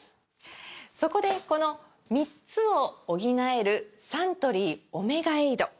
そこでこの３つを補えるサントリー「オメガエイド」！